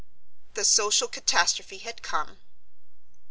The social catastrophe had come.